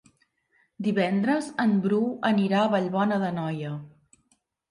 Divendres en Bru anirà a Vallbona d'Anoia.